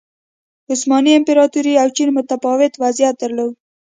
عثماني امپراتورۍ او چین متفاوت وضعیت درلود.